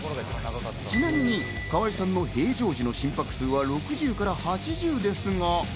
ちなみに河合さんの平常時の心拍数は６０から８０ですが。